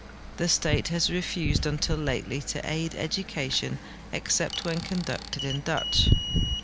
The state has refused until lately to aid education, except Avhen conducted in Dutch.